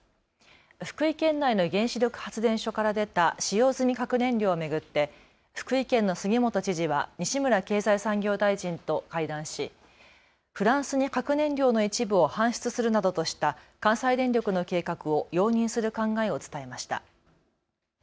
福井県内の原子力発電所から出た使用済み核燃料を巡って福井県の杉本知事は西村経済産業大臣と会談しフランスに核燃料の一部を搬出するなどとした関西電力の計画を容認する考えを伝えました。